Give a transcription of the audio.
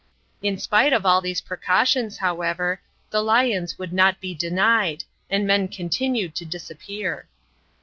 In spite of all these precautions, however, the lions would not be denied, and men continued to disappear.